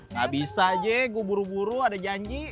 gak bisa aja gue buru buru ada janji